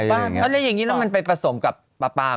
แล้วอย่างนี้แล้วมันไปผสมกับปลาไหม